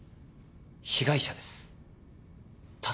被害者です。